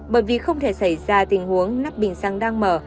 bởi vì không thể xảy ra tình huống nắp bình xăng đang mở